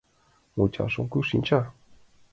— Мучашым кӧ шинча?..